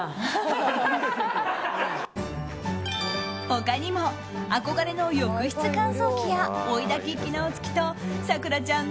他にも憧れの浴室乾燥機や追いだき機能付きと咲楽ちゃん